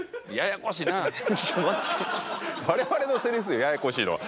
我々のセリフですややこしいのは。